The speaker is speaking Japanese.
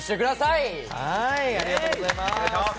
ありがとうございます。